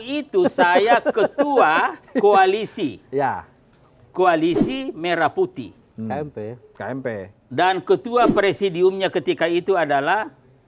itu saya ketua koalisi ya koalisi merah putih kmp kmp dan ketua presidiumnya ketika itu adalah